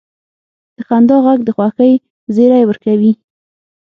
د خندا ږغ د خوښۍ زیری ورکوي.